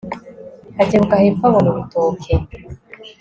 akebuka hepfo abona urutoke